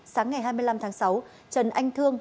sáng ngày hai mươi năm tháng sáu trần anh thương